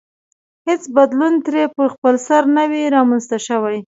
هېڅ بدلون ترې په خپلسر نه وي رامنځته شوی.